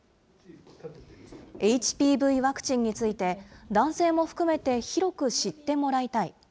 ＨＰＶワクチンについて、男性も含めて広く知ってもらいたい。